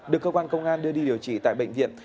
được công an đưa đi điều trị tại bệnh viện